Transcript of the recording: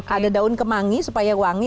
ada daun kemangi supaya wangi